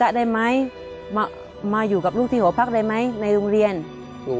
และกับผู้จัดการที่เขาเป็นดูเรียนหนังสือ